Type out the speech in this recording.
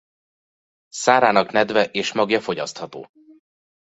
Szárának nedve és magja fogyasztható.